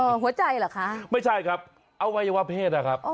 เออหัวใจเหรอคะไม่ใช่ครับเอาไว้ว่าเพศนะครับ